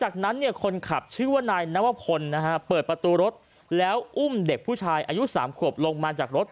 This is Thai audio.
จากนั้นคนขับชื่อว่านายนวพลเปิดประตูรถแล้วอุ้มเด็กผู้ชายอายุ๓ขวบลงมาจากรถ